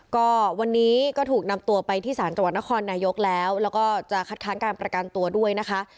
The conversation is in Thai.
ก็วันนี้ก็ถูกนำตัวไปที่ศาลจังหวัดนครนายกแล้วแล้วก็จะคัดค้างการประกันตัวด้วยนะคะ